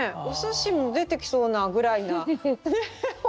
お寿司も出てきそうなぐらいなねえ